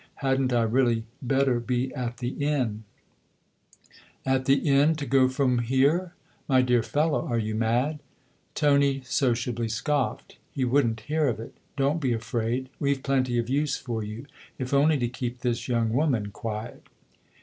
Hadn't I really better be at the inn ?"" At the inn to go from here ? My dear fellow, are you mad ?" Tony sociably scoffed ; he wouldn't hear of it. " Don't be afraid ; we've plenty of use for you if only to keep this young woman quiet."